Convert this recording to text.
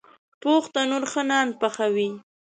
پوخ تنور ښه نان پخوي